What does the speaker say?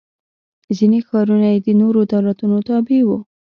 ځیني ښارونه یې د نورو دولتونو تابع و.